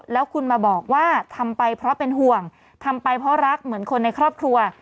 แล้วคุณมาบอกว่าทำไปเพราะเป็นห่วงทำไปเพราะรักเหมือนคนในครอบครัว